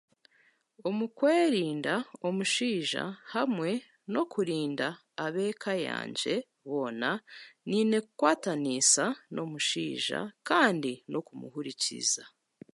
Omukwerinda omushaija hamwe n'okurinda ab'eka yangye boona, nyine kukwataniisa n'omushaija kandi n'okumuhurikiriza.